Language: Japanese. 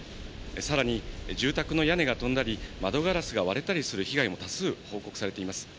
さらに住宅の屋根が飛んだり、窓ガラスが割れたりする被害も多数報告されています。